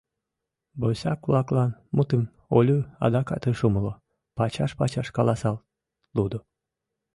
«босяк-влаклан» мутым Олю адакат ыш умыло, пачаш-пачаш каласал лудо